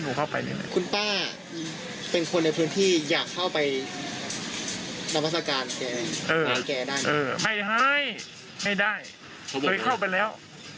เดินเข้าไปแล้ว